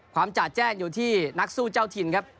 จ่าแจ้งอยู่ที่นักสู้เจ้าถิ่นครับ